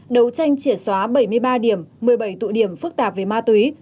đấu tranh triệt xóa bảy mươi ba điểm một mươi bảy tụ điểm phức tạp về ma túy